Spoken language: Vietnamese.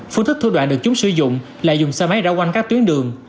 phương thức thủ đoạn được chúng sử dụng là dùng xe máy ra quanh các tuyến đường